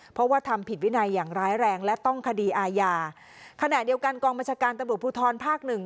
เพราะว่าทำผิดวินัยอย่างร้ายแรงและต้องคดีอาญาขณะเดียวกันกองบัญชาการตำรวจภูทรภาคหนึ่ง